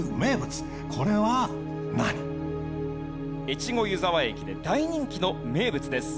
越後湯沢駅で大人気の名物です。